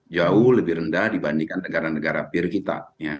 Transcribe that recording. jauh lebih rendah dibandingkan negara negara peer kita